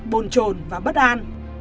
bồn trồn và bất an